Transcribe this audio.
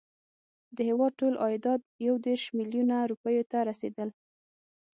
د هیواد ټول عایدات یو دېرش میلیونه روپیو ته رسېدل.